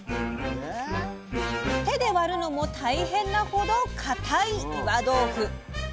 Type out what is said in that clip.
手で割るのも大変なほど固い岩豆腐。